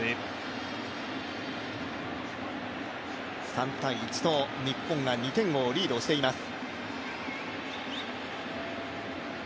３−１と日本が２点をリードしています。